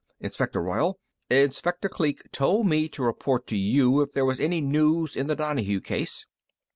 "Inspector Royall, Inspector Kleek told me to report to you if there was any news in the Donahue case."